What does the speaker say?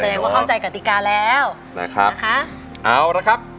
แสดงว่าเข้าใจกัติกาแล้ว